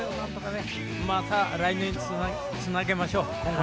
また来年につなげましょう。